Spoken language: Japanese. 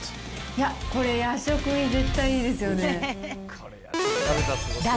いや、これ、夜食に絶対いいですよね。